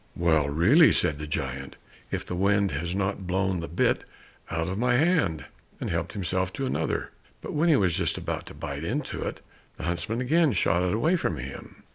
"Well, really," said the giant, "if the wind has not blown the bit out of my hand!" and helped himself to another. But when he was just about to bite into it, the huntsman again shot it away from him.